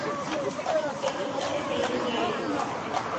Se conoce en seis lugares.